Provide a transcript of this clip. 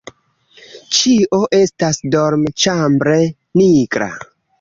Ĉio estas dormĉambre nigra.